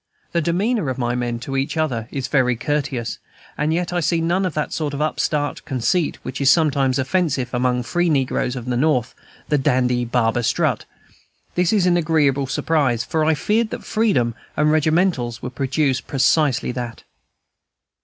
The demeanor of my men to each other is very courteous, and yet I see none of that sort of upstart conceit which is sometimes offensive among free negroes at the North, the dandy barber strut. This is an agreeable surprise, for I feared that freedom and regimentals would produce precisely that.